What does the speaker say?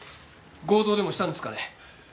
強盗でもしたんですかね？